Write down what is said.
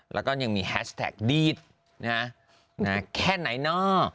แล้วก็ยังมีแฮชแท็กดีดแค่ไหนเนาะ